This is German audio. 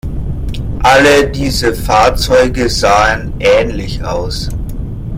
Alle diese Fahrzeuge sahen ähnlich aus.